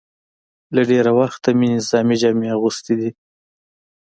له ډېره وخته مې نظامي جامې اغوستې وې.